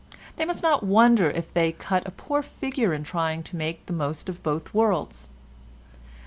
They must not wonder if they cut a poor figure in trying to make the most of both worlds.